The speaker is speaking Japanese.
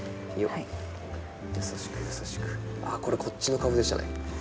あっこれこっちの株でしたね。